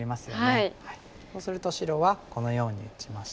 そうすると白はこのように打ちまして。